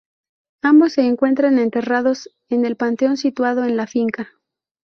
Ambos se encuentran enterrados en el panteón situado en la finca.